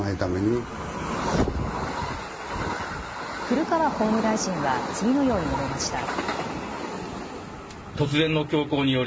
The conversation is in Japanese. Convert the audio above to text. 古川法務大臣は次のように述べました。